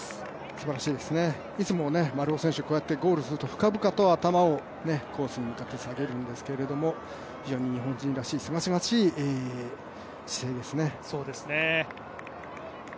すばらしいですねいつも丸尾選手、ゴールをすると深々と頭をコースに向かって下げるんですけど非常に日本人らしい、すがすがしい姿勢ですね。